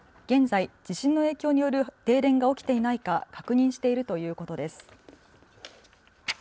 関西電力配送電によりますと現在、地震の影響による停電が起きていないか確認しているということです。